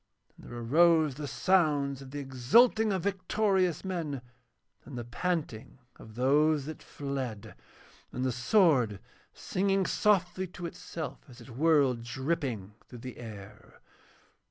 And there arose the sounds of the exulting of victorious men, and the panting of those that fled, and the sword singing softly to itself as it whirled dripping through the air.